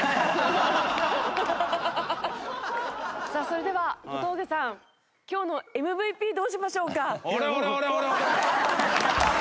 さあそれでは小峠さん今日のＭＶＰどうしましょうか？